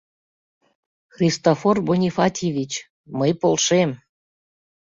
Христофор Бонифатьевич, мый полшем.